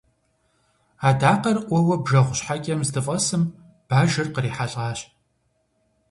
Адакъэр ӏуэуэ бжэгъу щхьэкӏэм здыфӏэсым, бажэр кърихьэлӏащ.